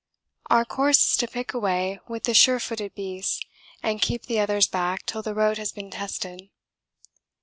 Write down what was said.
Our course is to pick a way with the sure footed beasts and keep the others back till the road has been tested.